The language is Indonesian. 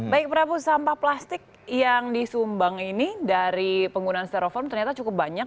baik prabu sampah plastik yang disumbang ini dari penggunaan steroform ternyata cukup banyak